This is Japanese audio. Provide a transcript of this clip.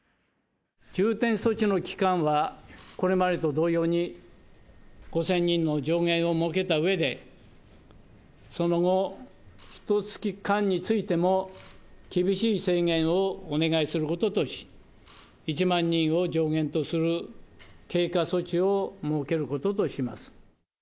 重点措置の期間は、これまでと同様に５０００人の上限を設けたうえで、その後ひとつき間についても厳しい制限をお願いすることとし、１万人を上限とする経過措置を設けることとします。